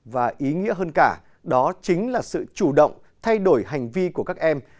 và ý nghĩa hơn cả đó chính là sự chủ động thay đổi hành vi của các em